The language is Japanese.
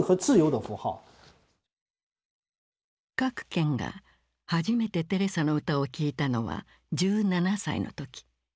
郭健が初めてテレサの歌を聴いたのは１７歳の時。